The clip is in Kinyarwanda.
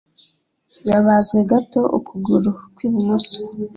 Yabazwe gato ukuguru kw'ibumoso.